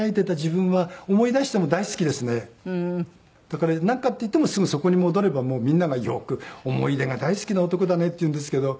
だからなんかっていってもすぐそこに戻ればみんながよく「思い出が大好きな男だね」って言うんですけど。